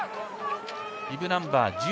ビブナンバー